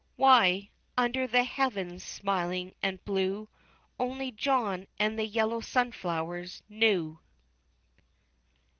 Why? Under the heavens smiling and blue, Only John and the yellow sunflowers knew.